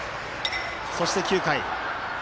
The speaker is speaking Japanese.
そして、９回。